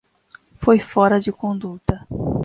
Foi fora de conduta.